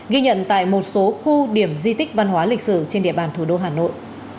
ghi nhận tại một số khu điểm di tích văn hóa lịch sử trên địa bàn thủ đô hà nội